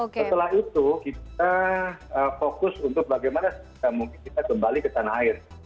setelah itu kita fokus untuk bagaimana mungkin kita kembali ke tanah air